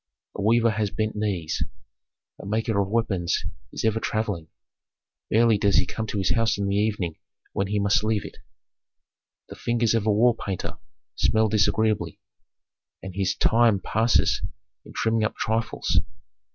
A weaver has bent knees, a maker of weapons is ever travelling: barely does he come to his house in the evening when he must leave it. The fingers of a wall painter smell disagreeably, and his time passes in trimming up trifles.